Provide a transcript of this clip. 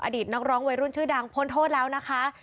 อดีตนักร้องวัยรุ่นชื่อดังพ้นโทษแล้วนะคะ